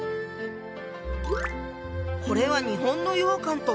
これは日本の羊羹と別物ね。